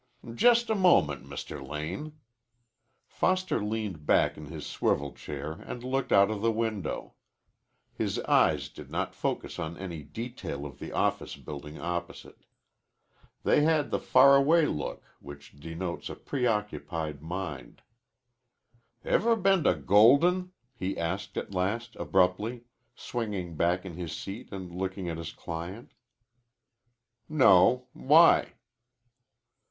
"Just a moment, Mr. Lane." Foster leaned back in his swivel chair and looked out of the window. His eyes did not focus on any detail of the office building opposite. They had the far away look which denotes a preoccupied mind. "Ever been to Golden?" he asked at last abruptly, swinging back in his seat and looking at his client. "No. Why?"